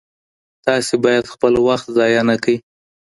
تاسي باید خپل وخت ضایع نه کړئ.